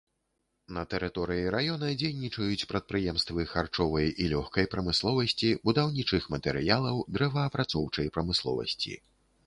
На тэрыторыі раёна дзейнічаюць прадпрыемствы харчовай і лёгкай прамысловасці, будаўнічых матэрыялаў, дрэваапрацоўчай прамысловасці.